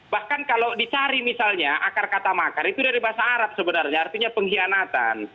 bahkan kalau dicari misalnya akar kata makar itu dari bahasa arab sebenarnya artinya pengkhianatan